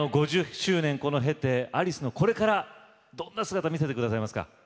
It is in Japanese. ５０周年この経てアリスのこれからどんな姿見せて下さいますか？